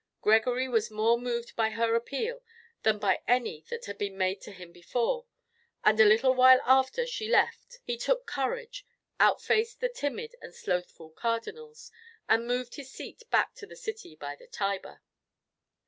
Gregory was more moved by her appeal than by any that had been made to him before, and a little while after she left he took courage, outfaced the timid and slothful cardinals, and moved his seat back to the city by the Tiber.